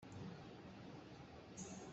Na rian ṭuan a fum tuk ahcun an in duh lai lo.